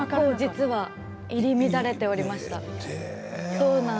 入り乱れておりました。